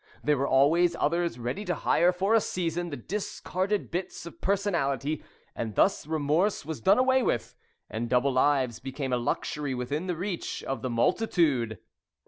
There were always others ready to hire for a season the discarded bits of personality, and thus remorse was done away with, and double lives became a luxury within the reach of the multitude.